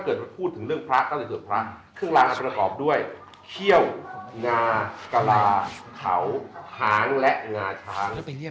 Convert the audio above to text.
เครื่องรางอาจจะประกอบด้วยเขี้ยวงากะลาเขาหางและงาช้าง